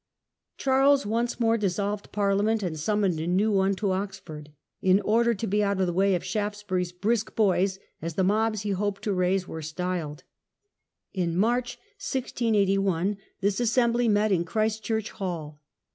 Charles once more dis Parliament solved Parliament, and summoned a new one ^^^^^>^^'• to Oxford, in order to be out of the way of Shaftesbury's " brisk boys ", as the mobs he hoped to raise were styled. In March, 1681, this Assembly met in Christ Church Hall.